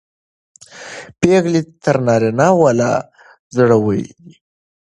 پېغلې تر نارینه و لا زړورې وې.